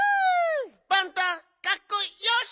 パンタかっこよし！